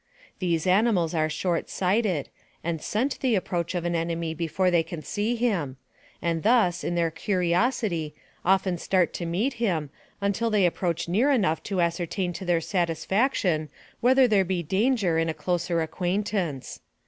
These animals are short sighted, and scent the ap proach of an enemy before they can see him, and thus, in their curiosity, often start to meet him, until they approach near enough to ascertain to their satis faction whether there be danger in a closer acquaint ance.